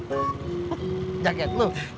dikasih pinggir sama teh ani